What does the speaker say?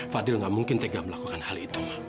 fadil gak mungkin tega melakukan hal itu ma